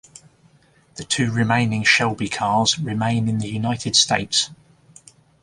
The two remaining Shelby cars remain in the United States.